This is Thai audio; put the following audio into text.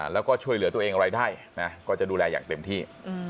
แล้วก็ช่วยเหลือตัวเองอะไรได้นะก็จะดูแลอย่างเต็มที่